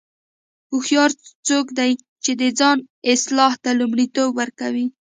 هوښیار څوک دی چې د ځان اصلاح ته لومړیتوب ورکوي.